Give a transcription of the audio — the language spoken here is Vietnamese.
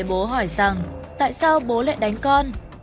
bố hỏi rằng tại sao bố lại đánh con